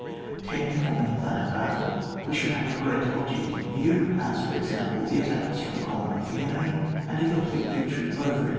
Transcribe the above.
10. In forming a plan of battle, we should have a great object in view, as, for example, the attack of a strong column of the enemy, and a complete victory over it.